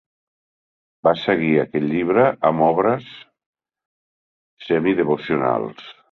Va seguir aquest llibre amb altres obres semidevocionals.